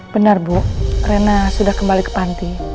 benar bu rena sudah kembali ke panti